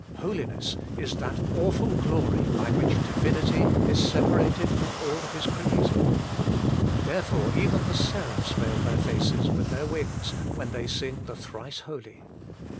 Holiness is that awful glory by which Divinity is separated from all that is created. Therefore even the seraphs veil their faces with their wings when they sing the Thrice Holy.